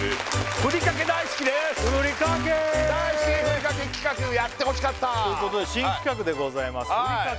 ふりかけ大好きふりかけ企画やってほしかったということで新企画でございますふりかけ